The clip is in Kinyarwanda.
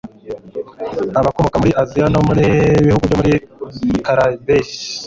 Abakomoka muri Aziya no mu bihugu byo muri Caraïbes